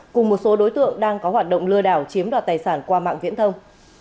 cùng một số đối tượng đang có hoạt động lừa đảo chiếm đoạt tài sản qua mạng viễn thông